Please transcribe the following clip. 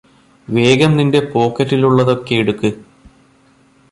വേഗം നിന്റെ പോക്കറ്റിലുള്ളതൊക്കെ എടുക്ക്